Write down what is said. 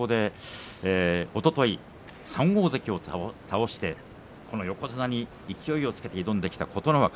おととい３大関を倒して横綱に勢いをつけて挑んできた琴ノ若。